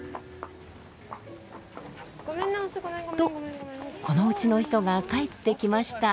とこの家の人が帰ってきました。